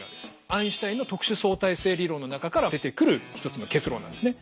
アインシュタインの特殊相対性理論の中から出てくる一つの結論なんですね。